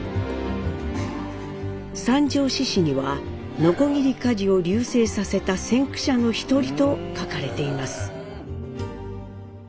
三条市史には鋸鍛冶を隆盛させた先駆者の一人と書かれています。